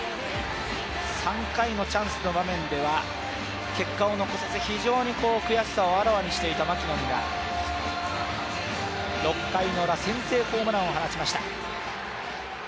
３回のチャンスの場面では、結果を残せず非常に悔しさをあらわにしていたマキノンが６回ウラ、先制ホームランを放ちました。